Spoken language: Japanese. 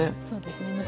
そうですね